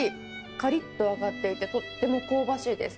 かりっと揚がっていて、とっても香ばしいです。